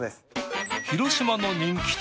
広島の人気店